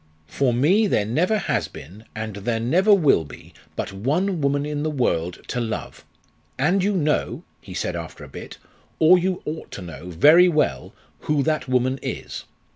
For me there never has been, and there never will be, but one woman in the world to love. And you know,' he said after a bit, 'or you ought to know, very well, who that woman is.'